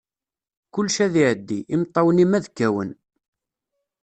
Kullec ad iɛeddi, imeṭṭawen-im ad kawen.